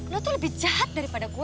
lo tuh lebih jahat daripada gua